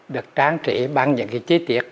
được tráng trĩ bằng những cái chi tiết